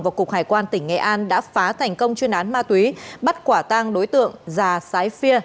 và cục hải quan tỉnh nghệ an đã phá thành công chuyên án ma túy bắt quả tang đối tượng già sái phia